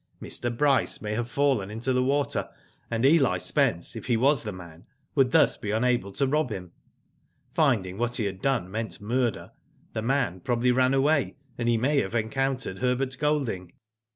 Mr. Bryce may have fallen into the water and Eli Spence, if he was the man, would thus be unable to rob him. Finding what he had done meant murder the man probably ran away, and he may have encountered Herbert Golding."